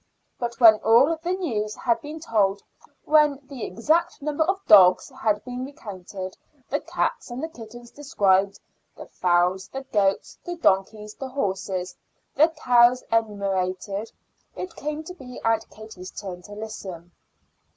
But when all the news had been told, when the exact number of dogs had been recounted, the cats and kittens described, the fowls, the goats, the donkeys, the horses, the cows enumerated, it came to be Aunt Katie's turn to listen.